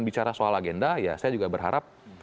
kalau agenda ya saya juga berharap